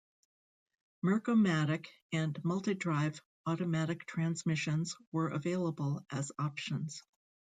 Merc-O-Matic and Multi-Drive automatic transmissions were available as options.